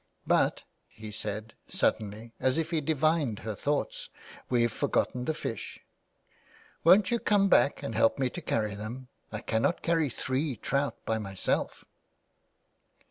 '' But," he said, suddenly, as if he divined her thoughts, " we've forgotten the fish ; won't you come back and help me to carry them. I cannot carry three trout by myself."